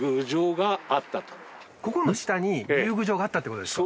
ここの下に竜宮城があったっていう事ですか？